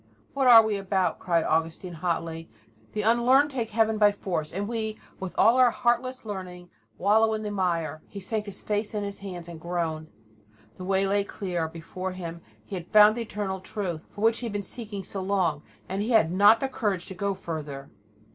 "What are we about!" cried Augustine hotly. "The unlearned take heaven by force, and we, with all our heartless learning, wallow in the mire!" He sank his face in his hands and groaned. The way lay clear before him; he had found the Eternal Truth for which he had been seeking so long, and he had not the courage to go further.